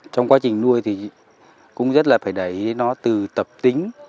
trong quá trình nuôi thì cũng rất là phải để ý nó từ tập tính